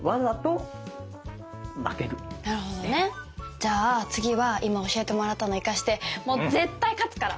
じゃあ次は今教えてもらったのを生かしてもう絶対勝つから。